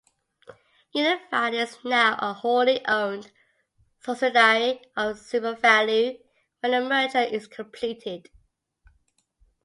Unified is now a wholly owned subsidiary of SuperValu when the merger is completed.